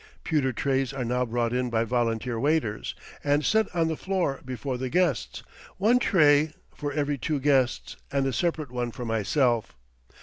Pewter trays are now brought in by volunteer waiters, and set on the floor before the guests, one tray for every two guests, and a separate one for myself.